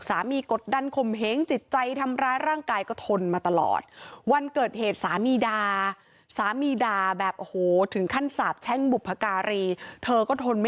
อ่ะมันไม่จริงนะเพราะสามีเองก็เล่นพนันเหมือนกัน